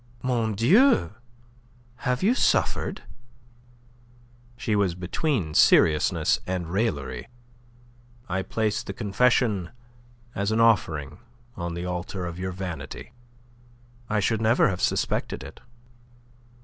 "Mon Dieu! Have you suffered?" She was between seriousness and raillery. "I place the confession as an offering on the altar of your vanity." "I should never have suspected it."